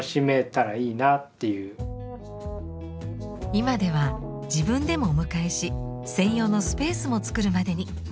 今では自分でもお迎えし専用のスペースも作るまでに。